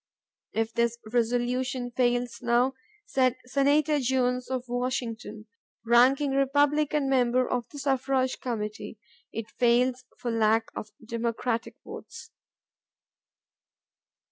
"If this resolution fails now," said Senator Jones of Washington, ranking Republican member of the Suffrage Committee, "it fails for lack of Democratic votes."